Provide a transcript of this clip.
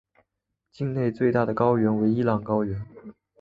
境内最大的高原为伊朗高原。